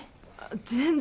全然。